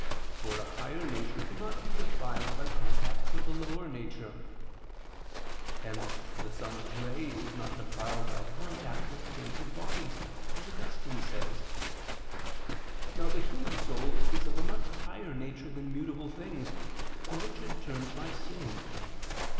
For a higher nature cannot be defiled by contact with a lower nature: hence the sun's ray is not defiled by contact with tainted bodies, as Augustine says (Contra Quinque Haereses v). Now the human soul is of a much higher nature than mutable things, to which it turns by sinning.